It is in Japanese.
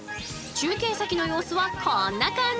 中継先の様子はこんな感じ。